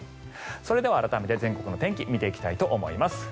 それでは改めて全国の天気を見ていきます。